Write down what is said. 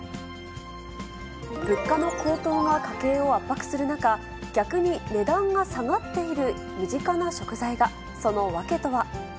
物価の高騰が家計を圧迫する中、逆に値段が下がっている身近な食材が。